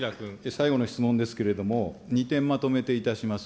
最後の質問ですけれども、２点まとめていたします。